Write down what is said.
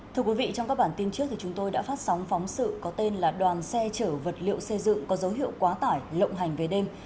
thưa quý vị trong các bản tin trước thì chúng tôi đã phát sóng phóng sự có tên là đoàn xe chở vật liệu xây dựng có dấu hiệu quá tải lộng hành về đêm